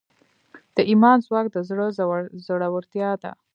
د ایمان ځواک د زړه زړورتیا ده.